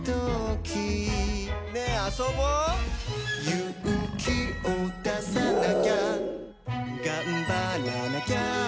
「ゆうきをださなきゃがんばらなきゃ」